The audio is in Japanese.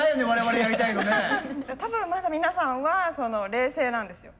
多分まだ皆さんは冷静なんですよ。